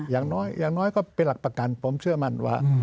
อย่างน้อยก็เป็นหลักประกันผมเชื่อมันว่า